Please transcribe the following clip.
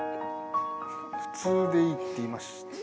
普通でいいって言いました。